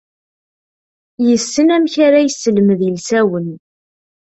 Yessen amek ara yesselmed ilsawen.